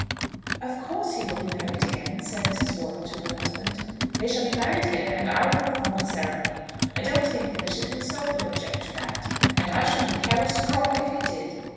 "Of course he will be married again," said Mrs. Wortle to her husband. "They shall be married here, and I will perform the ceremony. I don't think the Bishop himself would object to that; and I shouldn't care a straw if he did."